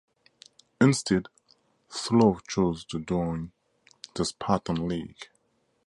Instead Slough chose to join the Spartan League.